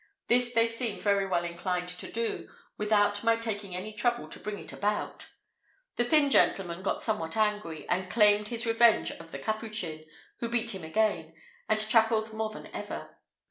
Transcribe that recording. This they seemed very well inclined to do, without my taking any trouble to bring it about. The thin gentleman got somewhat angry, and claimed his revenge of the Capuchin, who beat him again, and chuckled more than ever.